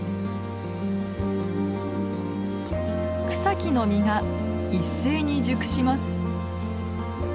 草木の実が一斉に熟します。